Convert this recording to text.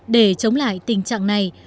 để chống lại tình trạng này